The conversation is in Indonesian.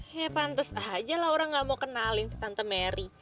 ya pantas aja laura gak mau kenalin tante merry